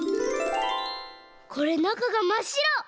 これなかがまっしろ！